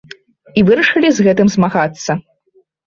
І вырашылі з гэтым змагацца.